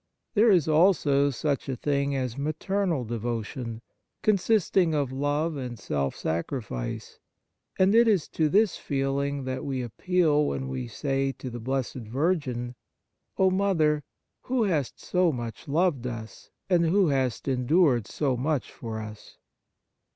There is also such a thing as maternal devotion, consisting of love and self sacrifice ; and it is to this feeling that we appeal when we say to the Blessed Virgin :" O Mother, who hast so much loved us and who hast endured so much for us